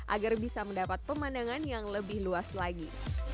agar bisa mendapat pemandangan yang lebih luas lagi